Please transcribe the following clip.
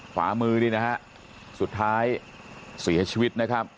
ขวามือนี่นะฮะสุดท้ายเสียชีวิตนะครับ